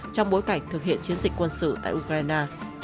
trong bối cảnh thực hiện chiến dịch quân sự tại ukraine